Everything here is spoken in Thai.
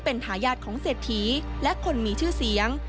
เป็นทายาทของเศรษฐีและคนมีชื่อเสียง